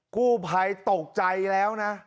กู้ภัยตกใจแล้วนะ